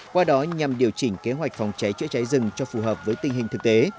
qua đó nhằm điều chỉnh kế hoạch phòng cháy chữa cháy rừng cho phù hợp với tình hình thực tế